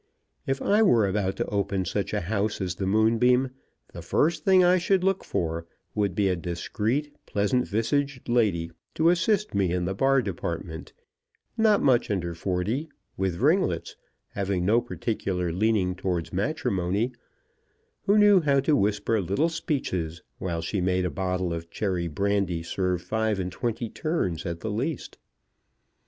If I were about to open such a house as the Moonbeam the first thing I should look for would be a discreet, pleasant visaged lady to assist me in the bar department, not much under forty, with ringlets, having no particular leaning towards matrimony, who knew how to whisper little speeches while she made a bottle of cherry brandy serve five and twenty turns at the least.